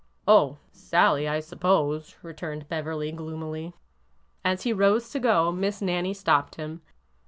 Oh, — Sallie, I suppose," returned Beverly, gloomily. As he rose to go. Miss Nannie stopped him.